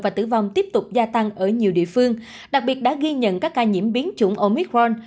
và tử vong tiếp tục gia tăng ở nhiều địa phương đặc biệt đã ghi nhận các ca nhiễm biến chủng omitron